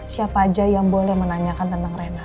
siapa aja yang boleh menanyakan tentang rena